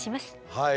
はい。